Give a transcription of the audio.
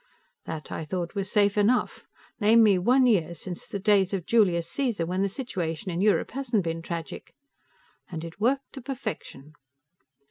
That, I thought, was safe enough. Name me one year, since the days of Julius Caesar, when the situation in Europe hasn't been tragic! And it worked, to perfection.